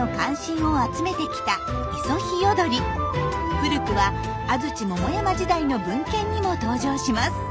古くは安土桃山時代の文献にも登場します。